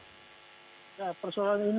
tidak persoalan ini